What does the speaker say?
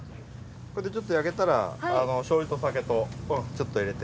これでちょっと焼けたら醤油とお酒とちょっと入れて。